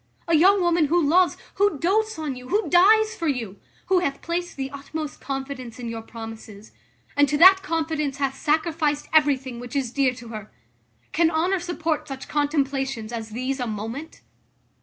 A young woman, who loves, who doats on you, who dies for you; who hath placed the utmost confidence in your promises; and to that confidence hath sacrificed everything which is dear to her? Can honour support such contemplations as these a moment?"